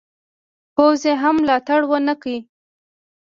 پوځ یې هم ملاتړ ونه کړ.